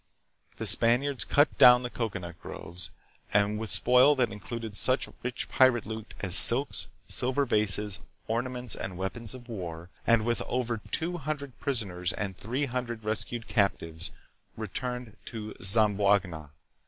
The Spaniards cut down the cocoanut groves, and with spoil that included such rich pirate loot as silks, silver vases, ornaments, and weapons of war, and with over two hundred prisoners and three hundred rescued captives, returned to Zamboanga.